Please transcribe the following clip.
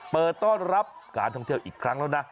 เปิดต้อนรับการท่องเที่ยวอีกครั้งแล้วนะ